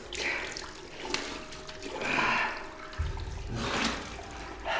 jangan capai sisi anda